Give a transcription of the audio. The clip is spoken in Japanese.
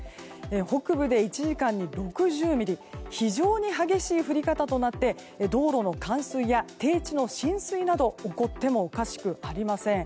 北部で１時間に６０ミリ非常に激しい降り方となって道路の冠水や低地の浸水など起こってもおかしくありません。